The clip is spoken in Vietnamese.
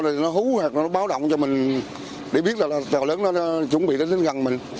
thì nó hú hoặc nó báo động cho mình để biết là tàu lớn nó chuẩn bị nó đến gần mình